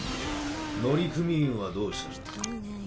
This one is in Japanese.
乗組員はどうする？